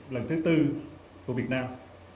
lần thứ tư của việt nam